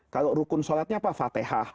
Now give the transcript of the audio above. kalau rukun sholatnya apa fatehah